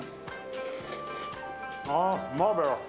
あー、マーベラス。